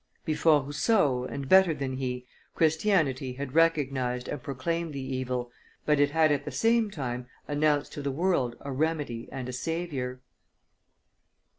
Before Rousseau, and better than he, Christianity had recognized and proclaimed the evil; but it had at the same time announced to the world a remedy and a Saviour.